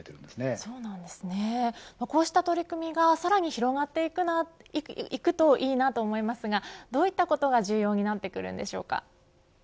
こうした取り組みがさらに広がっていくといいなと思いますがどういったことが重要になってくるんでしょうか。